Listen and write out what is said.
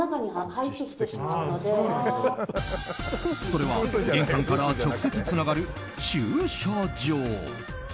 それは玄関から直接つながる駐車場。